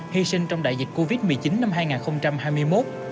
hy sinh trong đại dịch covid một mươi chín năm hai nghìn hai mươi một